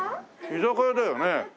居酒屋だよね。